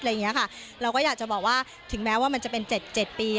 เราก็อยากจะบอกว่าถึงแม้ว่ามันจะเป็น๗ปี